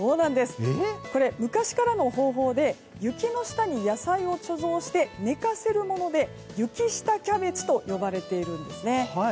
これ、昔からの方法で雪の下に野菜を貯蔵して寝かせるもので雪下キャベツと呼ばれているんですね。